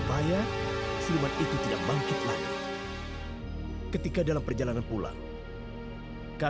bu ibu kenapa selalu mempercayai praja